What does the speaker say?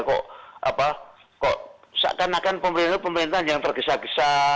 kok seakan akan pemerintah pemerintahan yang tergesa gesa